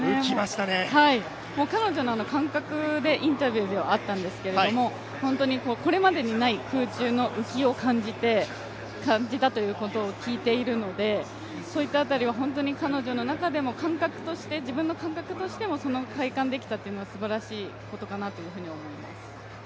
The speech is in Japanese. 彼女の感覚で、インタビューであったんですけども、これまでにない空中の浮気を感じたということを聞いているのでそういった辺りは彼女の中でも自分の感覚としてその体感できたというのはすばらしいことかなと思います。